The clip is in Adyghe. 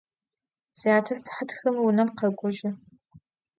Syate sıhat xım vunem khek'ojı.